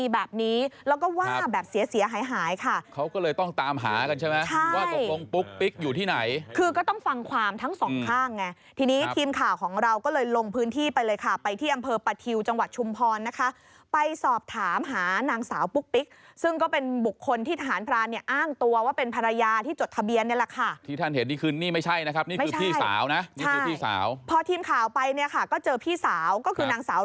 แบบนี้แล้วก็ว่าแบบเสียหายค่ะเขาก็เลยต้องตามหากันใช่ไหมว่าตรงปุ๊กปิ๊กอยู่ที่ไหนคือก็ต้องฟังความทั้งสองข้างไงทีนี้ทีมข่าวของเราก็เลยลงพื้นที่ไปเลยค่ะไปที่อำเภอประทิวจังหวัดชุมพรนะคะไปสอบถามหานางสาวปุ๊กปิ๊กซึ่งก็เป็นบุคคลที่ฐานพรานเนี่ยอ้างตัวว่าเป็นภรรยาที่จดทะเบียนนี่แหละค